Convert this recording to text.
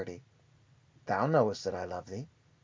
Thou knowest that I love thee.